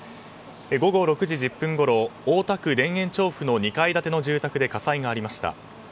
午後６時１０分ごろ大田区田園調布の２階建ての住宅で火災がありました。